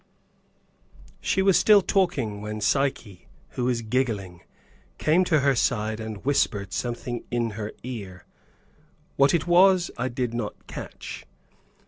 She was still talking when Psyche, who was giggling, came to her side and whispered something in her ear. What it was, I did not catch.